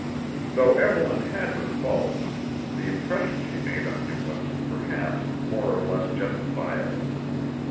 Though Evelyn had her faults, the impression she made on him was, perhaps, more or less justifiable.